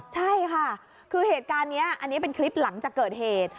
ใช่ค่ะคือเหตุการณ์นี้อันนี้เป็นคลิปหลังจากเกิดเหตุ